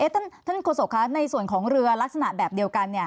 ท่านโฆษกคะในส่วนของเรือลักษณะแบบเดียวกัน